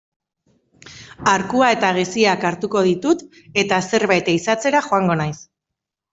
Arkua eta geziak hartuko ditut eta zerbait ehizatzera joango naiz.